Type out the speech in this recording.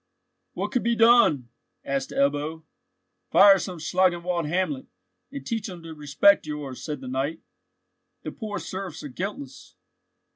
"What could be done?" asked Ebbo. "Fire some Schlangenwald hamlet, and teach him to respect yours," said the knight. "The poor serfs are guiltless."